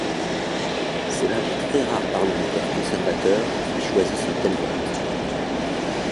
C'est l'un des très rares parlementaires conservateurs qui choisissent un tel vote.